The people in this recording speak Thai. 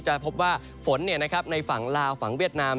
จะพบว่าฝนในฝั่งลาวฝั่งเวียดนาม